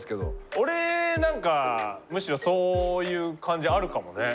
俺なんかむしろそういう感じあるかもね。